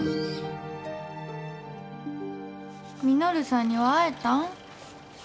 稔さんには会えたん？